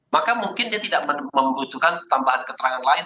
maka mungkin dia tidak membutuhkan tambahan keterangan lain